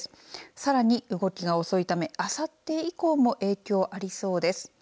さらに、動きが遅いためあさって以降も影響ありそうです。